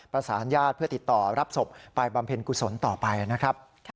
ประสานญาติเพื่อติดต่อรับศพไปบำเพ็ญกุศลต่อไปนะครับ